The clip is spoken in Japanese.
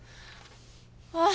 あっ。